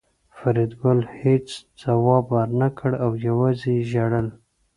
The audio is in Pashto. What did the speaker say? فریدګل هېڅ ځواب ورنکړ او یوازې یې ژړل